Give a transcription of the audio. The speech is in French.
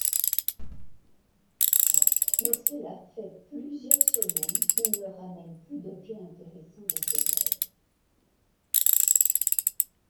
Mais cela fait plusieurs semaines qu'il ne ramène plus d'objets intéressants de ses rêves.